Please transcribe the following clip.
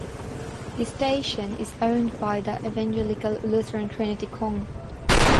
The station is owned by The Evangelical Lutheran Trinity Cong.